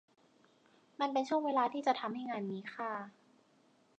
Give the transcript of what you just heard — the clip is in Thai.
มันเป็นช่วงเวลาที่จะทำให้งานมีค่า